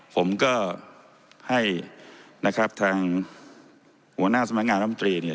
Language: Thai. ผมก็ให้นะครับทางหัวหน้าสมัยงานอำเตรเนี่ย